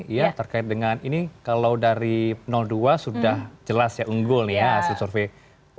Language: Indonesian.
iya terkait dengan ini kalau dari dua sudah jelas ya unggul nih ya hasil survei